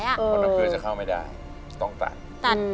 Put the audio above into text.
โดรน้ำเปียวจะเข้าไม้ได้ต้องตัด